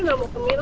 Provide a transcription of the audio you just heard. belum ke minus pak